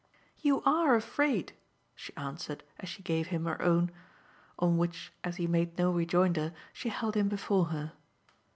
"You ARE afraid," she answered as she gave him her own; on which, as he made no rejoinder, she held him before her.